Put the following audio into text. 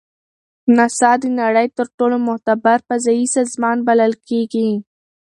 ناسا د نړۍ تر ټولو معتبر فضایي سازمان بلل کیږي.